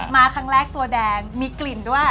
มาครั้งแรกตัวแดงมีกลิ่นด้วย